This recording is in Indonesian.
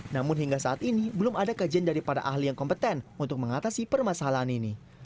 namun hingga saat ini belum ada kajian dari para ahli yang kompeten untuk mengatasi permasalahan ini